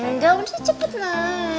nggak udah cepet lah